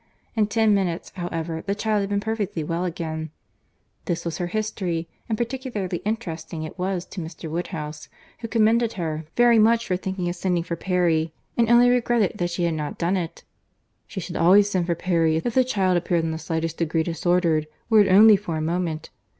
—In ten minutes, however, the child had been perfectly well again. This was her history; and particularly interesting it was to Mr. Woodhouse, who commended her very much for thinking of sending for Perry, and only regretted that she had not done it. "She should always send for Perry, if the child appeared in the slightest degree disordered, were it only for a moment.